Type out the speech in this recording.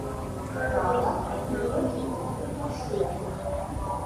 Праўда, пакуль толькі па двух маршрутах.